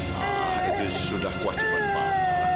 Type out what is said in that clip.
nah itu sudah kewajiban pak